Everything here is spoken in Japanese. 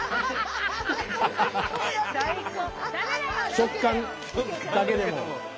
食感だけでも。